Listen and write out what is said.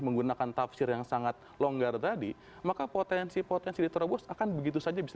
menggunakan tafsir yang sangat longgar tadi maka potensi potensi diterobos akan begitu saja bisa